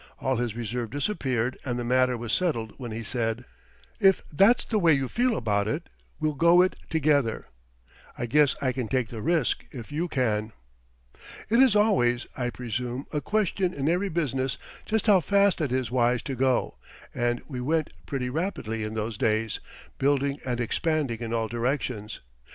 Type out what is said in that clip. All his reserve disappeared and the matter was settled when he said: "If that's the way you feel about it, we'll go it together. I guess I can take the risk if you can." It is always, I presume, a question in every business just how fast it is wise to go, and we went pretty rapidly in those days, building and expanding in all directions.